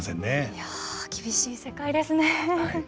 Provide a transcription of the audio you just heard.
いや厳しい世界ですね。